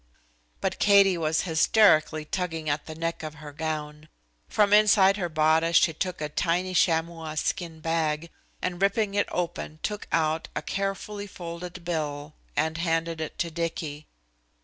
But Katie was hysterically tugging at the neck of her gown. From inside her bodice she took a tiny chamois skin bag, and ripping it open took out a carefully folded bill and handed it to Dicky.